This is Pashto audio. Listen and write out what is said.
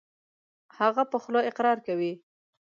هغه په خوله اقرار کوي .